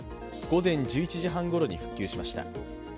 午前１１時半ごろに復旧しました。